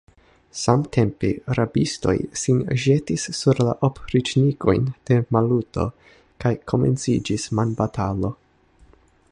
Samtempe rabistoj, sin ĵetis sur la opriĉnikojn de Maluto, kaj komenciĝis manbatalo!